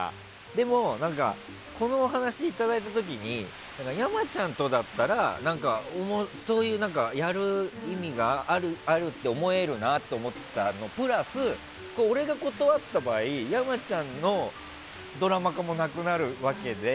でも、このお話をいただいた時に山ちゃんとだったらやる意味があるって思えるなって思ったのそれプラス、俺が断った場合山ちゃんのドラマ化もなくなるわけで。